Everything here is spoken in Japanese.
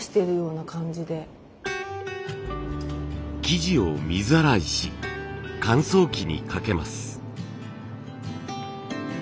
生地を水洗いし乾燥機にかけます。